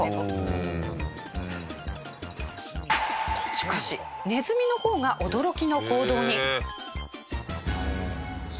しかしネズミの方が驚きの行動に。